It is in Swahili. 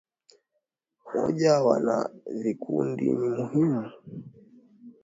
umoja wa wana vikundi ni muhimu